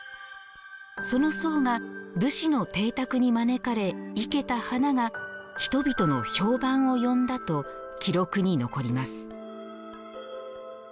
その僧が武士の邸宅に招かれ生けた花が人々の評判を呼んだと記録に残ります。